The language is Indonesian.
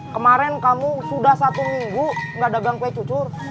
kemarin kamu sudah satu minggu nggak dagang kue cucur